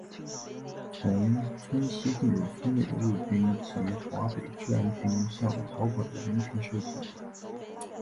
从村西进入村内的日军及华北治安军向逃跑的人群射击。